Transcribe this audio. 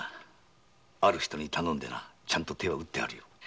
ある人に頼んでなちゃんと手は打ってあるよ。